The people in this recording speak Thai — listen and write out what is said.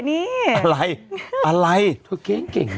อะไรจะเก่งเก่ง